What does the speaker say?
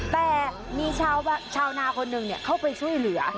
แต่มีชาวนาคนหนึ่งเข้าไปช่วยเหลือ